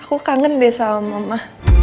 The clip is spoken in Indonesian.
aku kangen deh sama mama